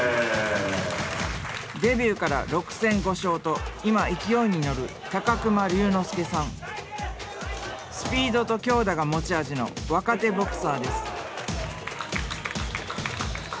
デビューから６戦５勝と今勢いに乗るスピードと強打が持ち味の若手ボクサーです。